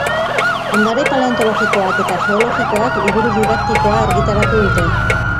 Ondare paleontologikoak eta geologikoak liburu didaktikoa argitaratu dute.